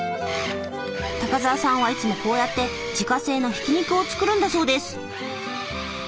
高沢さんはいつもこうやって自家製のひき肉を作るんだそうです。